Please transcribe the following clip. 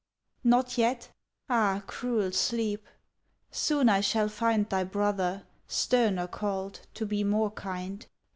Not yet? Ah, cruel Sleep! soon I shall find Thy brother, sterner called, to be more kind.